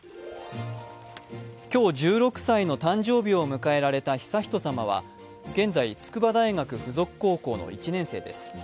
今日１６歳の誕生日を迎えられた悠仁さまは現在、筑波大学附属高校の１年生です。